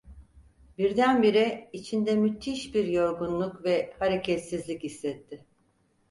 Birdenbire içinde müthiş bir yorgunluk ve hareketsizlik hissetti.